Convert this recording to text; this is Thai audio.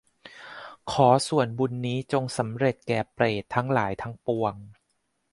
ขอส่วนบุญนี้จงสำเร็จแก่เปรตทั้งหลายทั้งปวง